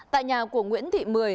tại nhà của nguyễn thị mùa